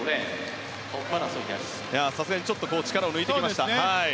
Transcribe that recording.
さすがにちょっと力を抜いてきました。